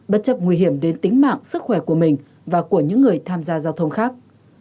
bất chấp nguy hiểm đến tính mạng sức khỏe của mình và của những người tham gia giao thông khác